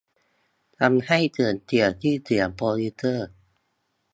ทำให้เสื่อมเสียชื่อเสียงโปรดิวเซอร์